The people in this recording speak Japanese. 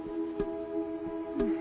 うん。